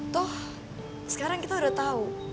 toh sekarang kita udah tahu